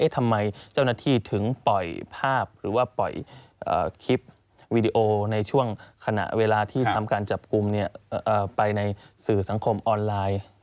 ทำไมเจ้าหน้าที่ถึงปล่อยภาพหรือว่าปล่อยคลิปวีดีโอในช่วงขณะเวลาที่ทำการจับกลุ่มไปในสื่อสังคมออนไลน์